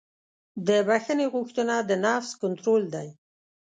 د بښنې غوښتنه د نفس کنټرول دی.